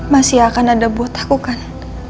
masih akan ada buat aku kan